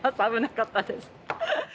危なかったです